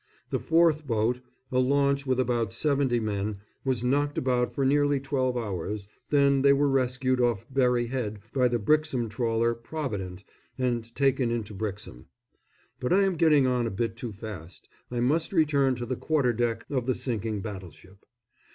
The fourth boat, a launch, with about seventy men, was knocked about for nearly twelve hours, then they were rescued off Berry Head by the Brixham trawler Provident and taken into Brixham. But I am getting on a bit too fast I must return to the quarter deck of the sinking battleship.